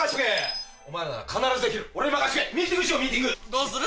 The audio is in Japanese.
どうする？